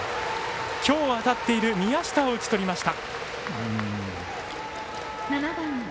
今日当たっている宮下を打ち取りました。